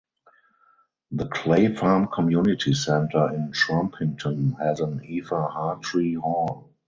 The Clay Farm community centre in Trumpington has an Eva Hartree Hall.